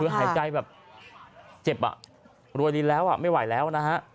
คือหายใจแบบเจ็บอ่ะรวยลินแล้วไม่ไหวแล้วนะฮะ